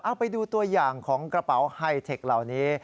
เอาไปดูตัวอย่างของกระเป๋าไฮเทคเหล่านี้